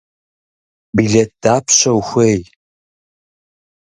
Билет дапщэ ухуей?